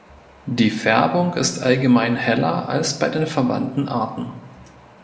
Die Färbung ist allgemein heller als bei den verwandten Arten.